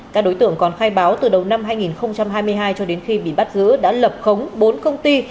các đối tượng còn khai báo từ đầu năm hai nghìn hai mươi hai cho đến khi bị bắt giữ đã lập khống bốn công ty